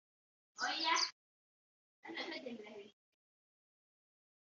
mirimo ku mpamvu iyo ariyo yose